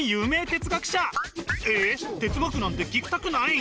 哲学なんて聞きたくない？